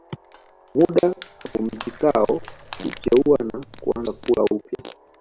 Muda apumzikao hucheua na kuanza kula upyaa